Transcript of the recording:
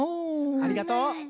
ありがとう。